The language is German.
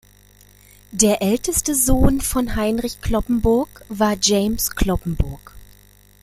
Der älteste Sohn von Heinrich Cloppenburg war James Cloppenburg.